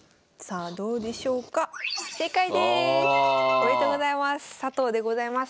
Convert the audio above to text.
おめでとうございます。